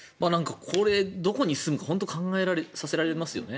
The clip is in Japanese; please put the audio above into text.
これ、どこに住むか本当に考えさせられますよね。